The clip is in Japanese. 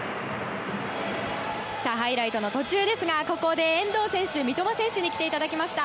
ハイライトの途中ですがここで遠藤選手三笘選手に来ていただきました。